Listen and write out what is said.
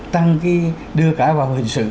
tăng cái đưa cả vào hình sự